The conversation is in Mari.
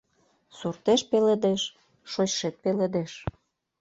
Суртеш пеледеш - шочшет пеледеш.